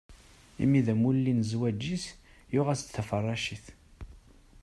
Imi d amulli n zzwaǧ-is, yuɣ-as-d taferracit.